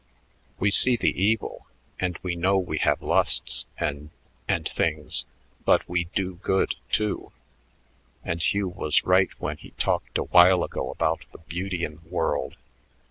We see the evil, and we know we have lusts and and things, but we do good, too. And Hugh was right when he talked a while ago about the beauty in the world.